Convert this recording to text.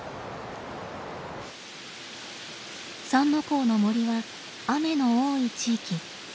三之公の森は雨の多い地域。